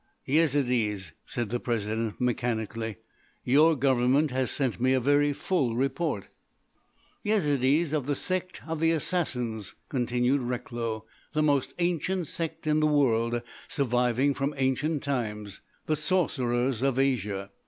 "Yezidees," said the President mechanically. "Your Government has sent me a very full report." "Yezidees of the Sect of the Assassins," continued Recklow; "—the most ancient sect in the world surviving from ancient times—the Sorcerers of Asia.